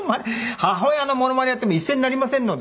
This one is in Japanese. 母親のモノマネやっても一銭にもなりませんのでね。